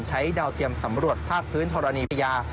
ใช้ดาวเตรียมสำรวจภาพพื้นธรณียา